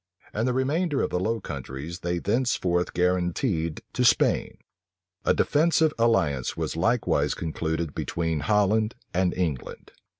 And the remainder of the Low Countries they thenceforth guarantied to Spain. A defensive alliance was likewise concluded between Holland and England.